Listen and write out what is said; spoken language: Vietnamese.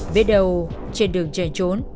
bế đầu trên đường chạy trốn